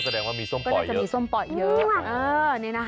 ก็แสดงว่ามีส้มป่อยเยอะ